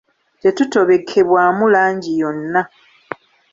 Tegutobekebwamu langi yonna.